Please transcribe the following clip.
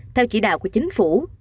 theo chỉ đạo của chính phủ